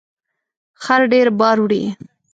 خر ډیر بار وړي